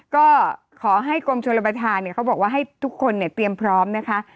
ก็ขอให้กรมชนประธานเขาบอกว่าให้ทุกคนเตรียมพร้อมนะคะ